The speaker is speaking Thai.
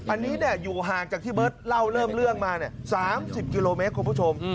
อันนี้อยู่ห่างจากที่เบิร์ตเล่าเริ่มเรื่องมา๓๐กิโลเมตรคุณผู้ชม